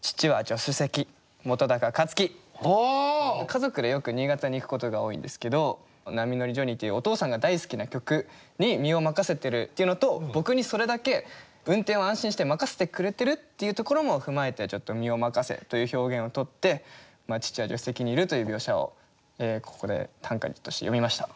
家族でよく新潟に行くことが多いんですけど「波乗りジョニー」っていうお父さんが大好きな曲に身を任せてるっていうのと僕にそれだけ運転を安心して任せてくれてるっていうところも踏まえて「身を任せ」という表現をとって父は助手席にいるという描写をここで短歌として詠みました。